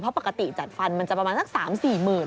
เพราะปกติจัดฟันมันจะประมาณสัก๓๔หมื่น